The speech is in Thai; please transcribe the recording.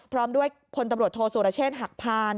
พร้อมด้วยพลตำรวจโทษสุรเชษฐ์หักพาน